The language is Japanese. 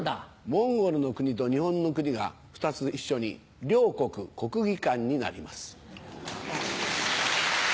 モンゴルの国と日本の国が２つ一緒にリョウコク国技館になります。